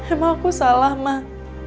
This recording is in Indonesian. emang aku salah mah